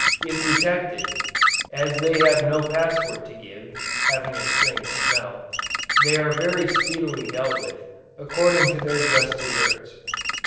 If detected, as they have no password to give, (having a strange smell,) they are very speedily dealt with, according to their just deserts.